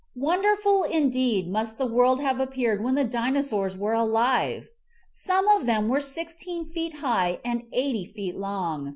Wonderful, indeed, must the world have ap peared when the Dinosaurs were alive ! Some of them were sixteen feet high and eighty feet long.